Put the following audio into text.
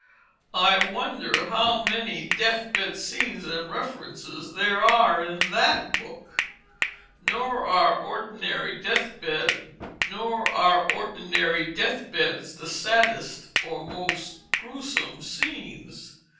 I wonder how many death bed scenes and references there are in that book! Nor are ordinary death beds the saddest or most grewsome scenes.